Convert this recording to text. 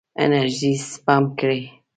انرژي سپم کړئ.